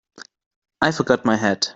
I forgot my hat.